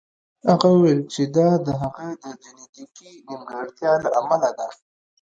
هغه وویل چې دا د هغه د جینیتیکي نیمګړتیا له امله ده